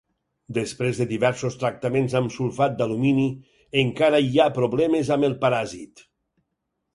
Després de diversos tractaments amb sulfat d'alumini, encara hi ha problemes amb el paràsit.